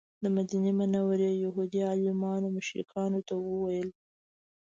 د مدینې منورې یهودي عالمانو مشرکانو ته وویل.